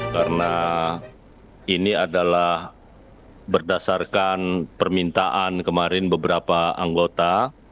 karena ini adalah berdasarkan permintaan kemarin beberapa anggota